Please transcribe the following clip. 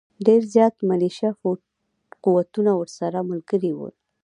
ډېر زیات ملېشه قوتونه ورسره ملګري وو.